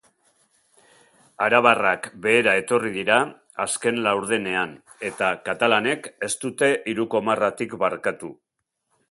Arabarrak behera etorri dira azken laurdenean eta katalanek ez dute hiruko marratik barkatu.